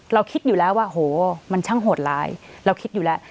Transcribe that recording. เราคิดอยู่แล้วว่าโหมันช่างโหดร้ายเราคิดอยู่แล้ว